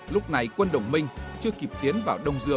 lúc này quân đồng minh chưa kịp tiến vào đông dương để giải quyết